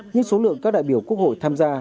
nhưng số lượng các đại biểu quốc hội tham gia